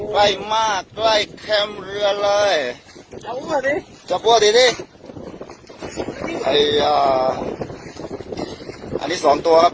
ใกล้มากใกล้แคมเรือเลยจับว่าดิจับว่าดิดิอันนี้สองตัวครับ